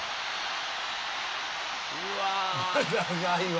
うわ。